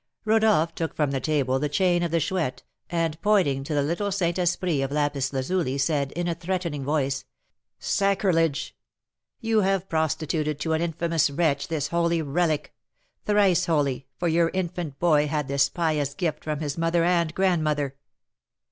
Rodolph took from the table the chain of the Chouette, and pointing to the little Saint Esprit of lapis lazuli said, in a threatening voice: "Sacrilege! You have prostituted to an infamous wretch this holy relic, thrice holy, for your infant boy had this pious gift from his mother and grandmother!"